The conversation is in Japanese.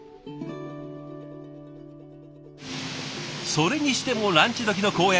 それにしてもランチどきの公園